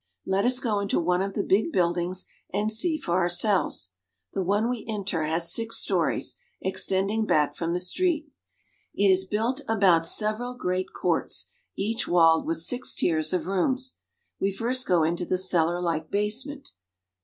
Let us go into one of the big buildings and see for ourselves. The one we enter has six stories, extending back from the street ; it is built about several great courts, each walled with six tiers of rooms. We first go into the cellar like basement.